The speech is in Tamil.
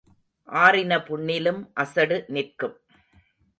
ஆறின புண்ணிலும் அசடு நிற்கும்.